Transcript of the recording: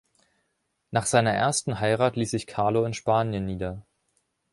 Nach seiner ersten Heirat ließ sich Carlo in Spanien nieder.